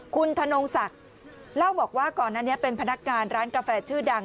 คุณธนงศักดิ์เล่าบอกว่าก่อนอันนี้เป็นพนักงานร้านกาแฟชื่อดัง